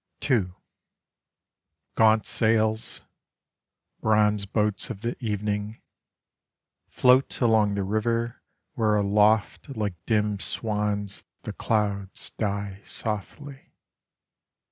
II Gaunt sails bronze boats of the evening Float along the river where aloft Like dim swans the clouds die Softly.